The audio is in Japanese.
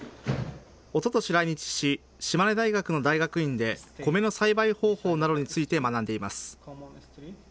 おととし来日し、島根大学の大学院で米の栽培方法などについて学んでいます。